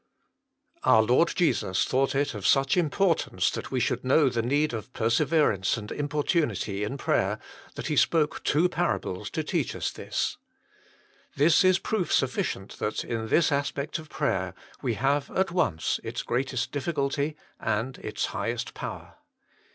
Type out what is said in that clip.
1 8. Lord Jesus thought it of such importance that we should know the need of persever ance and importunity in prayer, that He spake two parables to teach us this. This is proof sufficient that in this aspect of prayer we have at once its greatest difficulty and its highest power.